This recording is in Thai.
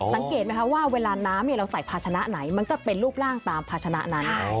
สังเกตไหมคะว่าเวลาน้ำเราใส่ภาชนะไหนมันก็เป็นรูปร่างตามภาชนะนั้น